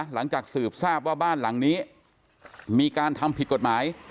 หลังจากสืบทราบว่าบ้านหลังนี้มีการทำผิดกฎหมาย